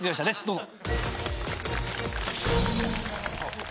どうぞ。